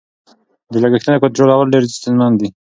د لګښتونو کنټرولول ډېر ستونزمن دي.